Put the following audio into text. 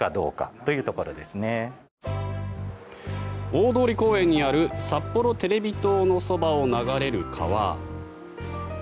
大通公園にあるさっぽろテレビ塔のそばを流れる川。